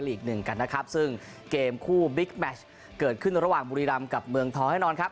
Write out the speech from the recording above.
หนึ่งกันนะครับซึ่งเกมคู่บิ๊กแมชเกิดขึ้นระหว่างบุรีรำกับเมืองทองแน่นอนครับ